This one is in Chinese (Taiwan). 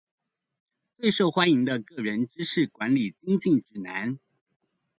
最受歡迎的個人知識管理精進指南